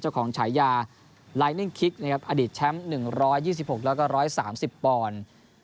เจ้าของฉายาไลน่นคลิกนะครับอดีตแชมป์หนึ่งร้อยยี่สิบหกแล้วก็ร้อยสามสิบปอนด์